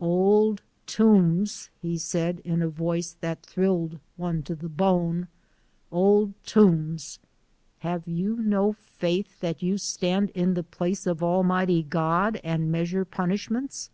"Old Toombs!" he said in a voice that thrilled one to the bone, "Old Toombs! Have you no faith, that you stand in the place of Almighty God and measure punishments?"